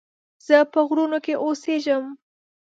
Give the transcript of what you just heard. زه په غرونو کې اوسيږم